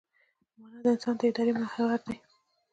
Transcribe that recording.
مانا د انسان د ارادې محور دی.